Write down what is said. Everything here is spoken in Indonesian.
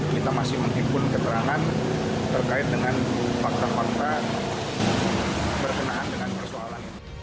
kita masih menghimpun keterangan terkait dengan fakta fakta berkenaan dengan persoalan ini